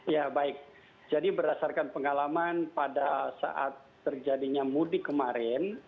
ya baik jadi berdasarkan pengalaman pada saat terjadinya mudik kemarin